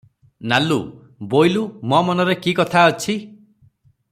ନାଲୁ - ବୋଇଲୁ, ମୋ ମନରେ କି କଥା ଅଛି?